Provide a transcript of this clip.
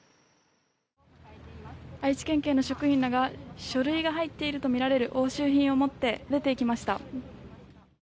愛知県警の職員らが書類が入っているとみられる押収品を持って出てきました。